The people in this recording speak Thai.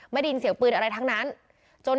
ได้ยินเสียงปืนอะไรทั้งนั้น